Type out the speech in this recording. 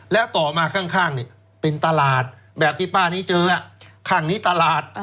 แล้วต่อมาข้างเป็นตลาดแบบที่ป้านี้เจอข้างนี้ตลาด